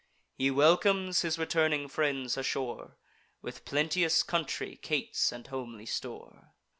He welcomes his returning friends ashore With plenteous country cates and homely store.